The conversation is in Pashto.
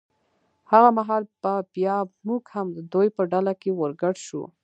هغه مهال به بیا موږ هم د دوی په ډله کې ور ګډ شو.